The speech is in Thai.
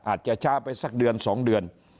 อาจจะช้าไปสักเดือน๒เดือน